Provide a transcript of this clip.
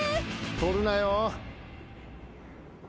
取るなよ。